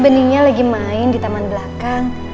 beningnya lagi main di taman belakang